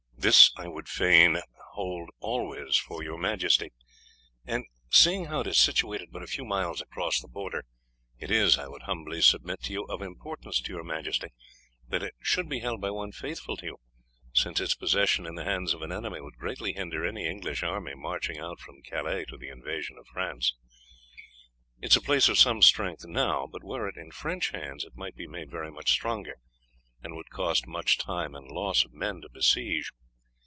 "'This I would fain hold always for your majesty; and, seeing how it is situated but a few miles across the frontier, it is, I would humbly submit to you, of importance to your majesty that it should be held by one faithful to you since its possession in the hands of an enemy would greatly hinder any English army marching out from Calais to the invasion of France. It is a place of some strength now; but were it in French hands it might be made very much stronger, and would cost much time and loss of men to besiege.